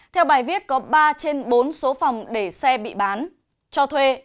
theo bài viết có ba trên bốn số phòng để xe bị bán cho thuê